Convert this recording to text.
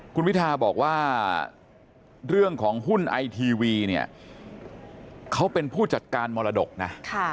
คุณวิทาบอกว่าเรื่องของหุ้นไอทีวีเนี่ยเขาเป็นผู้จัดการมรดกนะ